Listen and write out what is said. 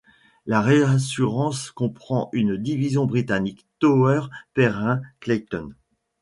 La réassurance comprend une division britannique, Towers Perrin Claytons.